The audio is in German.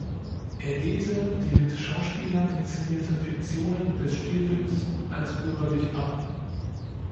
Er lehnte die mit Schauspielern inszenierten Fiktionen des Spielfilms als "bürgerlich" ab.